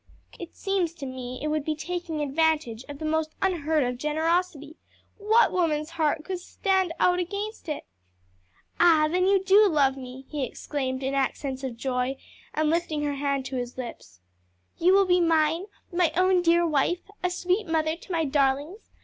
"It seems to me it would be taking advantage of the most unheard of generosity. What woman's heart could stand out against it?" "Ah, then you do love me!" he exclaimed, in accents of joy, and lifting her hand to his lips. "You will be mine? my own dear wife? a sweet mother to my darlings.